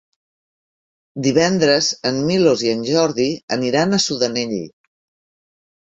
Divendres en Milos i en Jordi aniran a Sudanell.